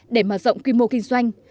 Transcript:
để mở rộng quy mô của hợp tác xã